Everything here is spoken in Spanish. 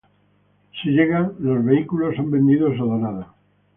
Si llegan, los vehículos son vendidos o donados.